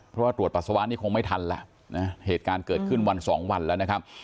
เพราะว่าตรวจปัสสาวะนี่คงไม่ทันแล้วนะเหตุการณ์เกิดขึ้นวันสองวันแล้วนะครับ